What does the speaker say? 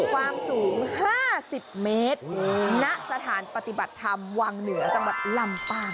ความสูง๕๐เมตรณสถานปฏิบัติธรรมวังเหนือจังหวัดลำปาง